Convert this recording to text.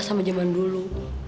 sama jaman dulu